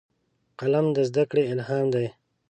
قلم د زدهکړې الهام دی